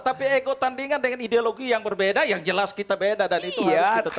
tapi ego tandingan dengan ideologi yang berbeda yang jelas kita beda dan itu harus kita temu